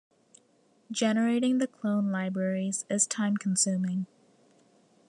Generating the clone libraries is time consuming.